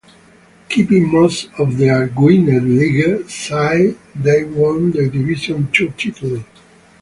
Keeping most of their Gwynedd League side they won the Division Two title.